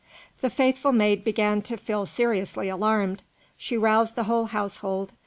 The faithful maid began to feel seriously alarmed; she roused the whole household.